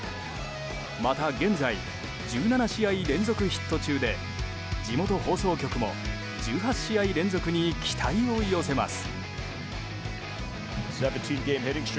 また現在１７試合連続ヒット中で地元放送局も１８試合連続に期待を寄せます。